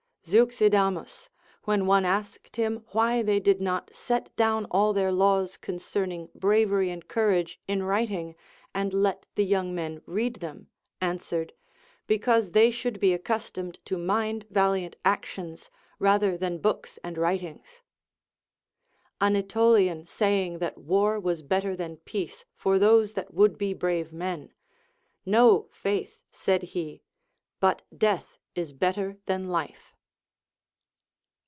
Zeuxidamus, when one asked him Avhy they did not set down all their laws concerning bravery and courage in writing and let the young men read them, answered. Be cause they should be accustomed to mind valiant actions, rather than books and writings. An Aetolian saying that war was better than peace for those that would be brave men. No, faith, said he, but death is better than life.